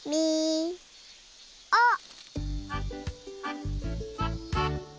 あっ！